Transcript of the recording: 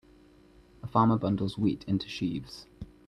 A farmer bundles wheat into sheaves.